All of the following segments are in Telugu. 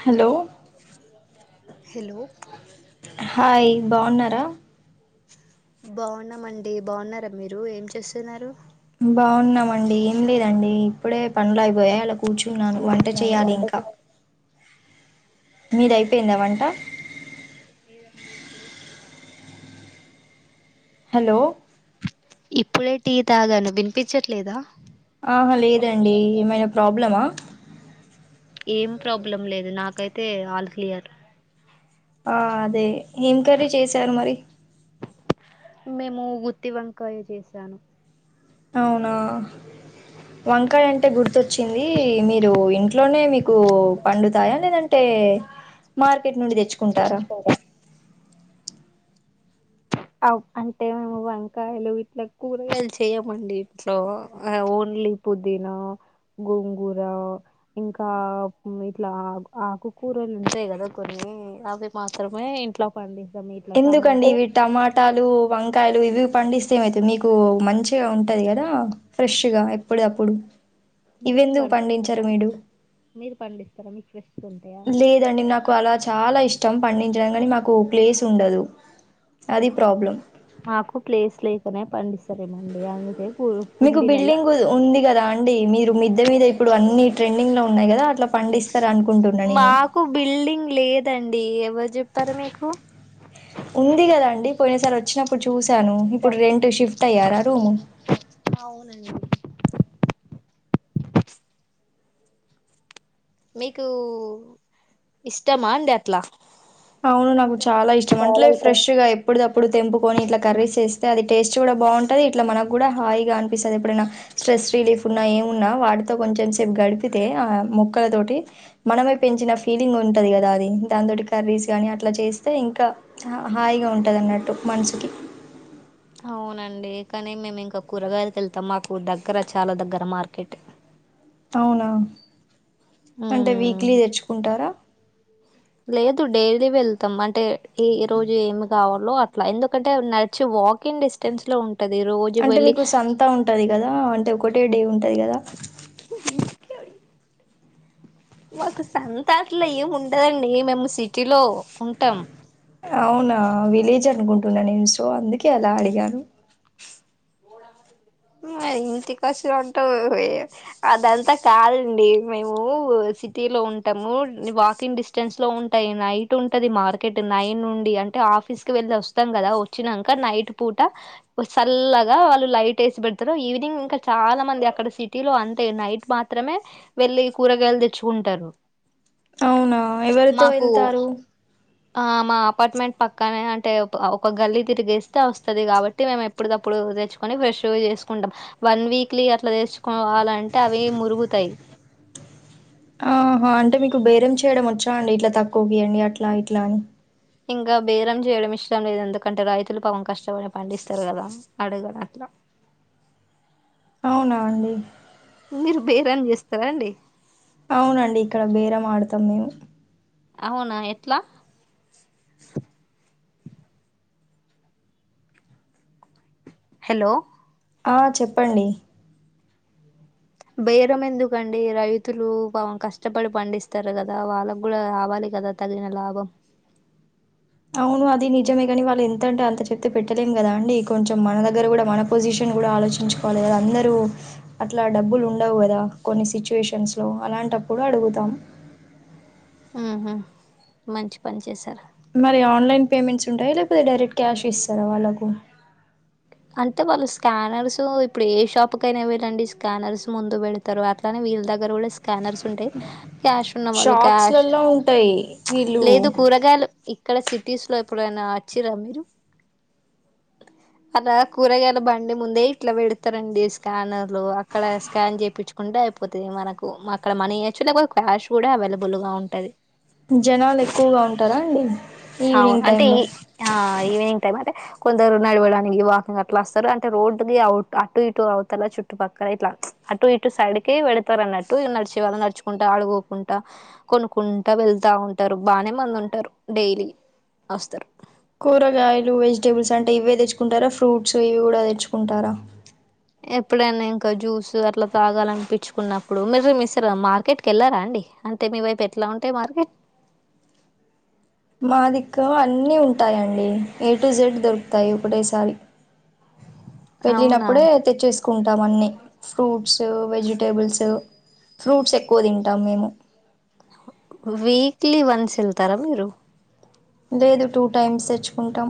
హలో హలో హాయ్ బాగున్నారా బాగున్నామండి బాగున్నారా మీరు ఏం చేస్తున్నారు బాగున్నామండి ఏం లేదండి ఇప్పుడే పనులు అయిపోయాయి అలా కూర్చున్నాను వం ట చేయాలి ఇంకా మీదయిపోయిందా వంట ఇప్పుడె హలో ఇప్పుడే టీ తాగాను వినిపించట్లేదా ఆహా లేదండి ఏమైనా ప్రాబ్లమా ఏం ప్రాబ్లం లేదు నాకైతే ఆల్ క్లియర్ ఆ అదే ఎం కర్రీ చేసారు మరి మేము గుత్తి వంకాయ చేసాను అవునా వంకాయ అంటే గుర్తొచ్చింది మీరు ఇంట్లోనే మీ కు పండుతాయా లేదంటే మార్కెట్ నుండి తెచ్చుకుంటారా అంటే మేము వంకాయలు ఇట్లా కూరగాయలు చేయమండి ఇంట్లో ఓన్ లీ పుదీనా గోంగూర ఇంకా ఇట్లా ఆకుకూరలు ఉంటాయి గదా కొన్ని నీ అవి మాత్రమే ఇంట్లో పండి ఎందుకండి ఇవి టమా టాలు వంకాయలు ఇవి పండిస్తే ఏమైతు మీకు మంచిగా ఉంటది కదా ఫ్రెష్ గా ఎప్పు డప్పుడు మీరు పం మీరు పండిస్తారా మీకు [unintelligible] లేదండి నాకు అలా చాలా ఇష్ ష్టం పండించడం కానీ మాకు ప్లేస్ ఉండదు అది ప్రాబ్లం మాకు ప్లేస్ లేకనే పండిస్ మీకు బిల్డింగ్ ఉంది గదా అండి మీరు మీద్ద మీద ఇప్పుడు అన్ని ట్రై ఎండింగ్ లో ఉన్నాయి గదా అట్లా పండిస్తారు అనుకుంటున్నా నేను మాకు బిల్డింగ్ లేదండి ఎవరు చెప్పారు మీకు ఉంది కదా అండి పోయినసార్ వచ్చినప్పుడు చూస్ చ్చాను ఇప్పుడు రెంట్ షిఫ్ట్ అయ్యారా రూము అవునండి మీకు ఇష్టమా అండి అట్లా అవును నాకు చాలా ఇష్టం అంటలే ఫ్రెష్ గా ఎప్పుడు దప్పుడు తెంపుకొని ఇట్లా కర్రీస్ చెస్తే అది టేస్ట్ చూడ బాంటది ఇట్లా మన కూడా హాయిగా అనిపిస్తది ఎప్పుడైనా స్ట్రెస్ రిలీఫ్ ఉన్నా ఏ ఉన్నా వాటితో కొంచె చేపు గడిపితే ఆ మొక్కల తొటి మనమె పెంచిన ఫీలింగ్ ఉంటది గదా అది దాన్ తోటి కర్రీస్ గానీ అట్లా చేస్తే ఇంకా హాయిగా ఉంటది అన్నట్టు మనసుకి అవునండి కానీ మేమింకా కూరగాయల్కెళ్తాం మాకు దగ్గర చాలా దగ్గర మార్కెట్ అవునా అంటే ఉమ్ వీక్లీ దెచ్చుకుంటారా లేదు డైలీ వెళ్తాం అంటే ఈ ఈ రోజు ఏమి కావలో అట్లా ఎందుకంటే అవి నడ్చి వాకింగ్ డిస్టెన్స్ లో ఉంట్ అంటే మీకు సంత ఉంటది గదా అంటే ఒకటే డే ఉంటది కదా మాకు సంత అట్లేం ఉండదండి మేం సిటీలో ఉంటం అవునా విలేజ్ అనుకుంటున్నా నేను సో అందుకే అలా అడిగాను మరి ఇంటి కసునంటవ్ అదంతా కాదండీ మేము సిట్ టిలో ఉంటము నీ వాకింగ్ డిస్టెన్స్ లో ఉంటాయి నైట్ ఉంటది మార్కెట్ నైన్ నుండి అంటే ఆఫీస్ కి వెళ్ళి వొస్తం గదా వొచ్చినంక నైట్ పూట సల్లగా వాళ్ళు లైటేసి బెడ్తరు ఈవినింగ్ ఇంకా చాలా మంది అక్కడ సిటీ లో అంతే నైట్ మాత్ర త్రమే వెళ్లి కూరగాయలు దెచ్చుకుంటరు అవునా ఎవరితో ఎళ్తారు ఆ మా అపార్ట్మెంట్ పక్కనే అంటే ప్ ఒక గల్లీ తిరిగేస్తే వొస్తది కాబట్టి మేము ఎప్పడికప్పు లో దెచ్చుకొని ఫ్రెష్ గా చేసుకుంటాం వన్ వీక్లీ అట్లా దెచుకోవాలన్ అంటే అవీ మురుగుతయ్ కు బేరం చేయడం వొచ్చాండి ఇట్లా తక్కువకీయ్యండి అట్లా ఇట్లా అని ఇంగా బేరం జేయడం ఇష్టం లేదు ఎందుకంటే రైతులు పాపం కష్టపడి పండిస్తరు గదా అడగన్ అట్లా అవునాండి మీరు బేరం జేస్తారాండి అవునండి ఇక్కడ బేరం ఆడుతాం మేము అవునా ఎట్లా హలో ఆ చెప్పండి బేరం ఎందుకండి రైతులు పాపం కష్టపడి పండిస్తారు గదా వాళ్ళక్ గూడా రావాలి గదా తగిన లాభం అవును అది నిజమే గనీ వాళ్ళేంతంటే అంత చెప్తే పెట్టలేం కదాండి కొంచెం మన దగ్గర కూడా మన పొజిషన్ కూడా ఆలోచించుకోవాలే గదా అందరూ అట్లా డబ్బులు ఉండవు కదా కొన్ని సిచ్యువేషన్స్ లో అలాంటప్పు అడుగుతాం ఉహు మంచి పని చేశారు మరి ఆన్లైన్ పేమెంట్స్ ఉంటయి లేపోతే డైరెక్ట్ క్యాష్ ఇస్తారా వాళ్ళకు అంటే వాళ్ళు స్కానర్స్ ఇప్పుడు ఏ షాప్ కైనా వెళ్ళండి స్కానర్స్ ముందు బెడ్తారు అట్లనే వీల్ దగ్గర గూడా స్ స్కానర్స్ ఉంటాయి క్యాష్ ఉన్నా వాళ్ళు క్యాష్ షాప్స్లలో ఉంటాయి వీళ్ళు లేదు కూరగాయలు ఇక్కడ సిటీస్ లో ఎప్పుడైనా వచ్చిర్రా మీరు అలా కూరగాయల బండి ముందే ఇట్లా వెడ్తారండి స్కానర్లు అక్కడ స్కాన్ జేపిచ్చుకుంటే అయిపోతది మనకు అక్కడ మనీ ఇయ్యచ్చు లేపోతే క్యాష్ కూడా అవెలేబుల్ గా ఉంటది జనాలు ఎక్కువగా ఉంటరాండి ఆవు అంటే ఈ ఆ ఈవినింగ్ టైమ్ అంటే కొందరు నడవడానికి వాకింగ్ అట్లస్తరు అంటే రోడ్డు అవ్ట్ అటు ఇటు అవుతల చుట్టుపక్కల ఇట్లా అటు ఇటు సైడ్కి వెడ్తారన్నట్టు నడిచే వాళ్ళు నడుచుకుంట ఆడుగోకుంటా కొనుక్కుంటా వెళ్తా ఉంటారు బానే మంది ఉంటరు డైలీ వస్తరు కూరగాయలు వెజిటేబుల్స్ అంటే ఇవే దెచ్చుకుంటరా ఫ్రూట్స్ ఇవి గూడా తెచ్చుకుంటారా ఎప్పుడన్నా ఇంకా జ్యూస్ అట్లా తాగాలన్పిచ్చుకున్నప్పుడు మీరు మిస్సర మార్కెట్కెళ్లరాండి అంటే మీ వైపు ఎట్లా ఉంటయి మార్కె మనదిక్కు అన్నీ ఉంటాయండి ఏ టు జెడ్ దొరుక్తాయి ఒకటేసారి అవునా వెళ్ళినప్పుడే తెచ్చేస్కుంటాం అన్ని ఫ్రూట్సు వెజిటేబుల్స్ ఫ్రూట్సేక్కువ తింటాం మేము వీక్లీ వన్సేళ్తారా మీరు లేదు టూ టైమ్స్ తెచ్చుకుంటాం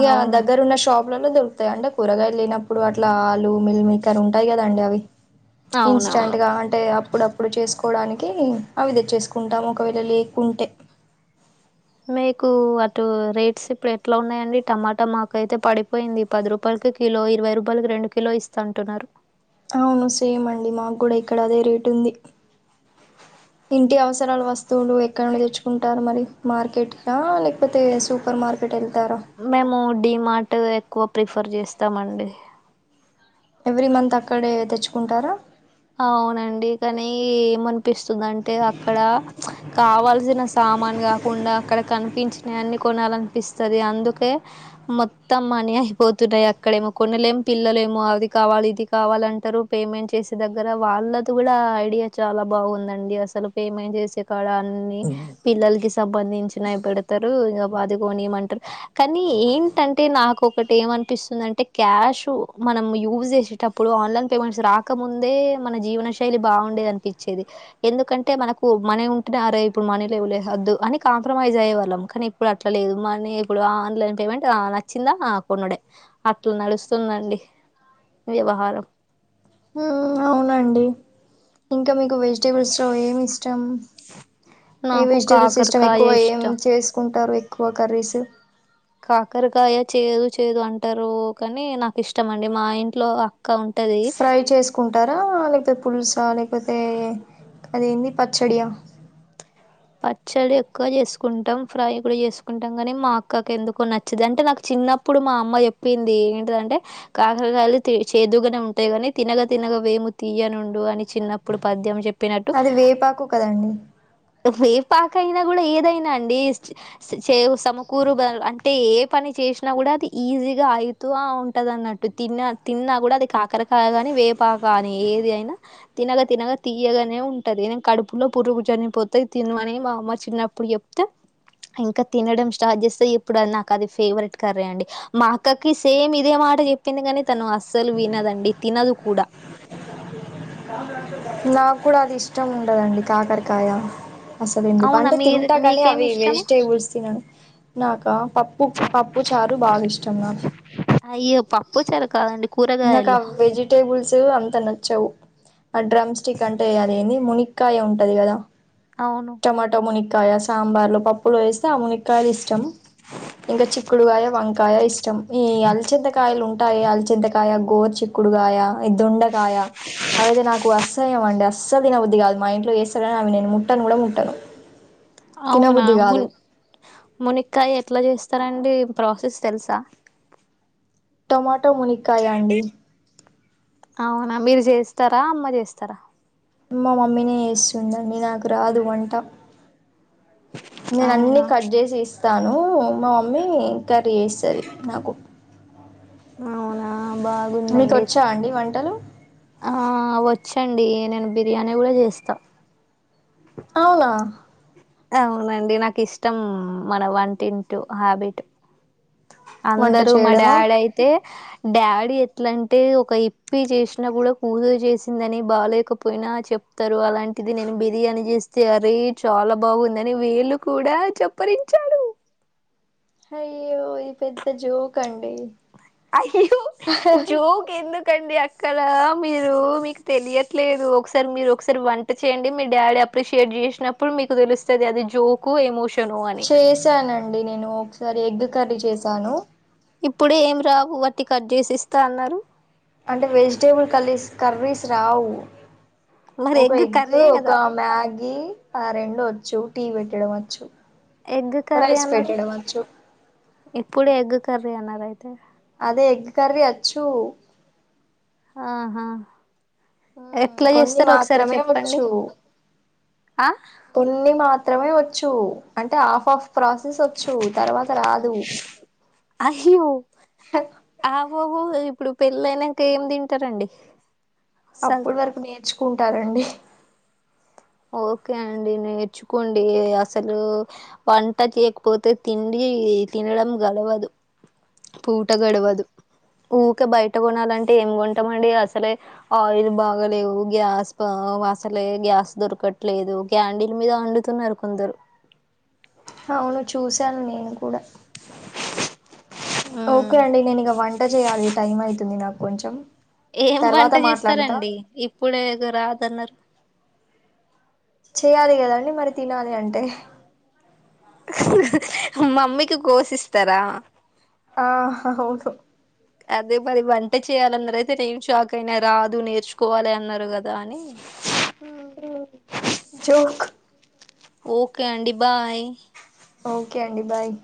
ఇగ అవునా దగ్గరున్న షాప్ లలో దొరుకుతాయి అంటే కూరగాయలు లేనప్పుడు అట్లా ఆలు మిల్లిమికరుంటాయి కదాండి అవి అవునవును ఇన్స్టంట్గా అంటే అప్పుడప్పుడు చేసుకు కోవడానికి అవి తెచ్చేస్కుంటాం ఒకవేళ లేకుంటే మీకు అటు రేట్స్ ఇప్పుడేట్లా ఉన్నాయండి టమాటా మాకైతే పడిపోయింది పది రూపాయలు ఒక కిలో ఇరవై రూపాయ్ లకి రెండు కిలో ఇస్తా అంటున్నారు ఔను సేమ్ అండి మాకు కూడా ఇక్కడ అదే రేటుంది ఇంటి అవసరాల వస్తువులు ఎక్కడ నుండి తెచ్చుకుంటారు మరి మార్కెట్లా లేకపోతే సూపర్ మార్కెట్ ఎల్ మేము డిమార్టు ఎక్కువ ప్రిఫర్ చేస్తామండి ఎవ్రీ మంతక్కడే తెచ్చుకుంటారా అవ్నండి కానీ ఏమన్పిస్తుందంటే అక్కడ కావాల్సిన సామాన్ కాకుండా అక్కడ కనిపించిన అన్ని కొనాలన్పిస్తది అందుకే మొత్తం మ మని అయిపోతున్నాయి అక్కడేమో కొనలేం పిల్లలేమో అది కావాలి ఇది కావాలంటారు పేమెంట్ చేసి దగ్గర వాళ్ళది కూడా ఐడియా చాలా బాగుందండి అసలు పేమెంట్ జేసే కాడ అని పిల్లల్కి సంబంధించినయ్ పెడ్తరు రు ఇగ బాదిగోనింటారు కానీ ఏంటంటే నాక ఒకటేమన్పిస్తుందంటే క్యాష్ చు మనం యూజ్ చేసేటప్పుడు ఆన్లైన్ పేమెంట్స్ రాక్ క ముందే మన జీవనశైలి బాగుండేదన్పించేది ఎందుకంటే మనకు మని ఉంటేనే అరె ఇప్పుడు మనీలెవ్లే అని కాంప్రమైజ్ అయ్యేవాళ్ళం కానీ ఇప్పుడట్లాలేదు మనీ ఇప్పుడు ఆన్లైన్ పేమెంట్ ఆ లైన్ చ్చిందా ఆ కొనుడే అట్లా నడుస్తుందండి వ్యవహారం ఊ ఔనండి ఇంకా మీకు వెజిటేబుల్స్ లో ఏమిష్టం ఏ నాకు వెజిటేబుల్సిస్టమ్ కాకరకాయ ఎక్కువ ఏం ఇష్టం. చేస్కుంటారు ఎక్కువ కర్రీస్ కాకరకాయ చేదు చేదు అంటారు కానీ నాకు ఇష్టమండి మా ఇంట్లో అక్క ఉంట ఫ్రై చేస్కుంటారా లేక్ లేకపోతే పులుసా లేకపోతే అదేంది పచ్చడియా పచ్చడెక్కువ చేసుకుంటాం ఫ్రై కూడా చేసుకుంటాం కాని మా అక్కకి ఎందుకో నచ్చదు అంటే నాకు చి ఉన్నప్పుడు మా అమ్మ ఏప్పింది ఏంటి దంటే కాకరకాయలు చేదుగానే ఉంటాయి గాని తినగా తినగా వేము తీయ్యనుండు అని చిన్నప్పుడు పద్యం చెప్పినట్టు అది వేపాకు కదండి వేపాకైనా కూడా ఏదైనా అండి చేదు సమకూరుద అంటే ఏ పని చేసినా కూడా అది ఈజీగా ఐతు ఆ ఉంటంది అన్నట్టు తిన్న తిన్నా కూడా అది కాకరకాయగాని వేపాకని ఏది అయినా తినగా తినగా తీయ్యగనే ఉంటది న కడుపులో పురుగు జనిపోతు తది తిన్మనీ మా అమ్మా చిన్నప్పుడు జేప్తే ఇంకా తినడం స్టార్ట్ చేస్తే ఎప్పుడు అది నాకు అది ఫేవరెట్ కర్రండి మా అక్కకి సేమ్ ఇదే మా మాట చెప్పింది కానీ తను అస్సలు వినదండి తినదు కూడా నాకు కూడా అది ఇష్టముండదండి కాకర్కాయ అసలేందుకు అవునా అంటే మీరు తింటా కానీ మీకేమి అవి ఇష్టము వెజిటేబుల్స్ తినను నాక పప్పు పప్పు చారూ చారు బాగిష్టం నాకు అయ్యో పప్పుచ్చరు కాదు నాకు ఆ వెజిటేబుల్స్ అంత నచ్చవు ఆ డ్రమ్స్టిక్ అంటే అదేంది మునిక్కాయ ఉంటంది కదా అవును టొమాటో మునిక్క కాయ సాంబార్లో పప్పులు వేస్తే అమునిక్కాయలు ఇష్టం ఇంకా చిక్కుడుకాయ వంకాయ ఇష్ట చం ఈ అల్చేంతకాయలుంటాయే అల్చంతకాయ గోరు చిక్కుడుగాయ ఈ దొండకాయ అవైతే నాకు అస్సహ్య అండి అస్సదిన బుద్దిగాదు మా ఇంట్లో ఏస్తరుగాని అవి నేను ముట్టను కూడా ముట్టను అవునా తినబుద్ధి కాదు మున్ మునిక్కయేట్లా చేస్త చేస్తారండి ప్రాసెస్ తెల్సా టమాటో ముని కాయ అండి అవునా మీరు చేస్తారా అమ్మ చేస్తారా మా మమ్మీనే చేస్తుంది అండి నాకు రాదు వంట నేను అన్ని అవునా కట్ చేసి ఇస్తాను మా మమ్మీ కట్ చేస్తది నాకు అవునా మీకు బాగుందండి వచ్చా అండి వంటలు ఆ వచ్చి అండి నేను బిర్యానీ కూడా చేస్తా అవునా అవునండి నాకు ఇష్టం మన వంటిట్తో హ్యాబిట్ వంట అందరు మా చేయడమా డాడీ అయితే డాడీ ఎట్లా అంటే ఒక ఇప్పి చేసినా కూడా కూతురు చేసిందని బాలేకపోయినా చెప్ తరు అలాంటిది నేను బిర్యానీ చేస్తే అరే చాలా బావుందని వేళ్ళు కూడా చెప్పరించాడు అయ్యో ఈది పెద్ద జోక అండి అయ్యో జోక్ ఎందుకు అండి కదా మీరు మీకు తెలియట్లలేదు ఒకసారి మీరు ఒకసారి వంట చేయండి మీ డాడీ అప్ప్రెసియేట్ చేసినప్పుడు మీకు తెలుస్తుంది అది జోకో ఎమోషన్ చేశానండి నేను ఒకసారి ఎగ్ కర్రీ చేసాను ఇప్పుడే ఏం రావు వట్టి కట్ చేసి ఇస్తా అన్నారు అంటే వెజిటల్స్ కర్రీస్ కర్రీస్ రావు మరి ఒక ఎగ్ కర్రీయే ఒక కదా మ్యాగీ ఆ రెండు వచ్చు టీ పెట్టడం వచ్చు ఎగ్ కర్రీ రైస్ అన్నారు పెట్టడం వచ్చు ఇప్పుడే ఎగ్ కర్రీ అన్నారు అయితే అదే ఎగ్ కర్రీ వచ్చు ఆహా ఎట్లా కొన్ని చేస్తారు ఒకసారి మాత్రమే చెప్పండి వచ్చు ఆ కొన్ని మాత్ర మాత్రమే వచ్చు అంటే హాఫ్ హాఫ్ ప్రాసెస్ వచ్చు తర్వాత రాదు ఓ ఇప్పుడు పెళ్లి అయినాక ఏం తింటారండి స అప్పుడు వరకు నేర్చుకుంటారండి ఓకే అండి నేర్చుకోండి అసలు వంట చేయకపోతే తిండి ఈ తినడం గాలువదు పూట గడువదు ఉక్కే బయట కొనాలంటే ఏం కొంటామండి అసలే ఆయిల్ బాగలేవు గ్యాస్ బా అసలే గ్యాస్ దొరకట్లేదు క్యాడిల్ మీద వండుతున్నారు కొందరు అవును చూశాను నేను కూడా ఉమ్ ఓకే అండి నేను ఇక వంట చేయాలి టైం అయితుంది నాకు కొంచెం ఏం తర్వాత ఒంట మాట్లాడతా చేస్తారండి ఇప్పుడే గా రాదన్నారు చెయాలి కదాండి మరి తినాలి అంటే మమ్మీకి కోసిస్తారా ఆ అవును అదే మరి వంట చేయాలన్నారు అయితే నేను షాక్ అయినా రాదు నేర్చుకోవాలి అన్నారు కదా అని మ్ జోక్ ఓకే అండి బాయ్ ఓకే అండి బాయ్